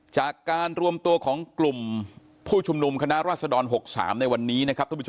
จากการรวมตัวของกลุ่มผู้ชุมหนุ่มคณะรัศดร๖๓ในวันนี้